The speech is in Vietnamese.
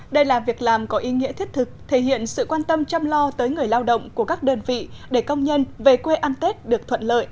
đây là việc làm có ý nghĩa thiết thực thể hiện sự quan tâm chăm lo tới người lao động của các đơn vị để công nhân về quê ăn tết được thuận lợi